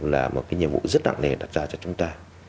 là một cái nhiệm vụ rất nặng nề đặt ra cho chúng ta